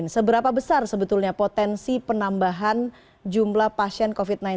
seberapa besar sebetulnya potensi penambahan jumlah pasien covid sembilan belas